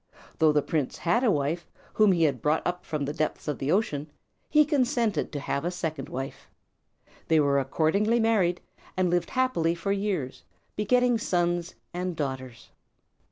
Though the prince had a wife, whom he had brought up from the depths of the ocean, he consented to have a second wife. They were accordingly married, and lived happily for years, begetting sons and daughters.